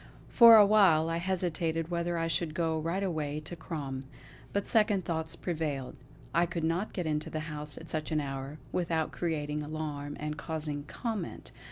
For a while I hesitated whether I should go right away to Crom; but second thoughts prevailed. I could not get into the house at such an hour, without creating alarm and causing comment.